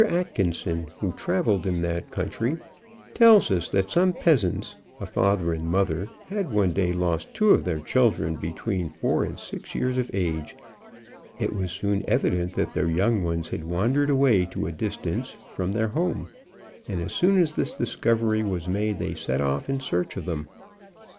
Atkinson, who travelled in that country, tells us that some peasants a father and mother had one day lost two of their children, between four and six years of age. It was soon evident that their young ones had wandered away to a distance from their home, and as soon as this discovery was made they set off in search of them.